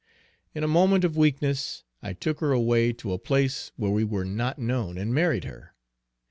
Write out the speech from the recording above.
In a moment of weakness I took her away to a place where we were not known, and married her.